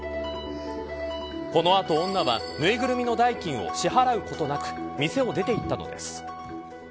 この後、女はぬいぐるみの代金を支払うことなく店を出て行ったのです。